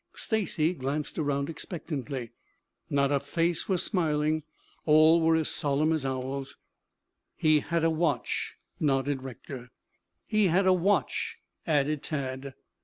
Stacy glanced around expectantly. Not a face was smiling. All were as solemn as owls. "He had a watch," nodded Rector. "He had a watch," added Tad.